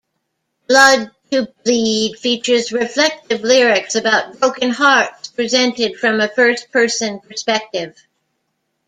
"Blood to Bleed" features reflective lyrics about broken hearts, presented from a first-person perspective.